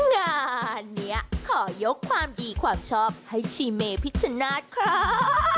งานเนี้ยขอยกความดีความชอบให้ชีมมีพิจนาฬค่า